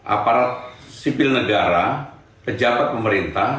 aparat sipil negara pejabat pemerintah